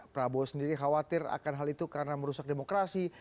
prabowo sendiri khawatir akan hal itu karena merusak demokrasi